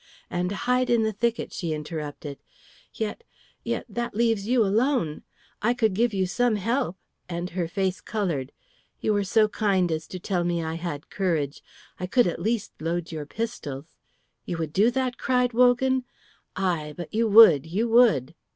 "And hide in the thicket," she interrupted. "Yet yet that leaves you alone. I could give you some help;" and her face coloured. "You were so kind as to tell me I had courage. I could at the least load your pistols." "You would do that?" cried Wogan. "Aye, but you would, you would!"